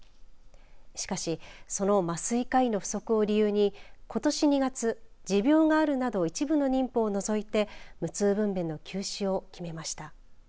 しかしその麻酔科医の不足を理由に今年２月、持病があるなど一部の妊婦を除いて無痛分娩の休止を決めました。